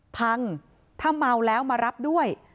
พังถ้าเมาแล้วมารับด้วย